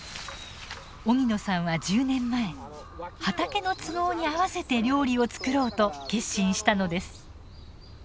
荻野さんは１０年前畑の都合にあわせて料理をつくろうと決心したのです。